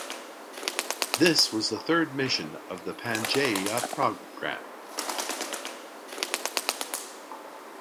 This was the third mission of the Pangaea program.